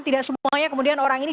tidak semuanya kemudian orang ini